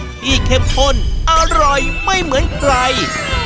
เข้มข้นอร่อยไม่เหมือนใคร